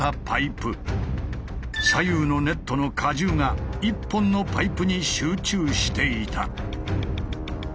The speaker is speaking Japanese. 左右のネットの荷重が１本のパイプに集中していた。